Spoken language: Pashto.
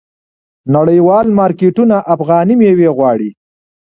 نړیوال مارکیټونه افغاني میوې غواړي.